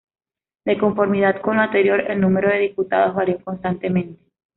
De conformidad con lo anterior, el número de diputados varió constantemente.